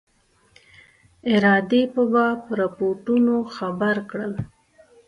ارادې په باب رپوټونو خبر کړل.